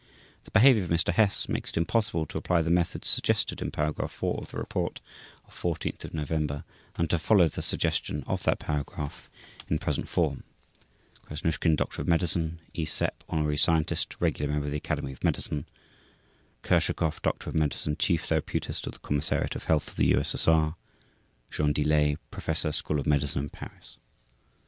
The behavior of Mr. Hess makes it impossible to apply the methods suggested in Paragraph 4 of the report of 14 November and to follow the suggestion of that Paragraph in present form. /s/ KRASNUSHKIN Doctor of Medicine /s/ E. SEPP Honorary Scientist, Regular Member of the Academy of Medicine /s/ KURSHAKOV Doctor of Medicine, Chief Therapeutist of the Commissariat of Health of the U.S.S.R. /s/ JEAN DELAY Professor, School of Medicine in Paris.